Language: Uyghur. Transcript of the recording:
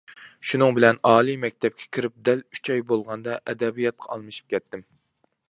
شۇنىڭ بىلەن ئالىي مەكتەپكە كىرىپ دەل ئۈچ ئاي بولغاندا ئەدەبىياتقا ئالمىشىپ كەتتىم.